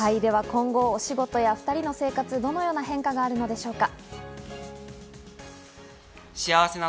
今後、お仕事や２人の生活、どのような変化があるのでしょうか？